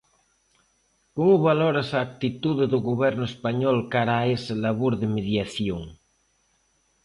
Como valoras a actitude do Goberno español cara a ese labor de mediación?